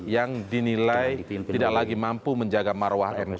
yang dinilai tidak lagi mampu menjaga maruah mk